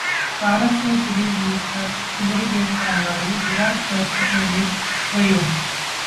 भारत से सीरीज 'लूटकर' ले गए कंगारू, विराट करते रह गए 'प्रयोग'